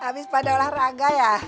habis pada olahraga ya